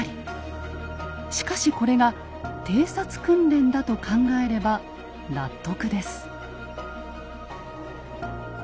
しかしこれが偵察訓練だと考えれば納得です。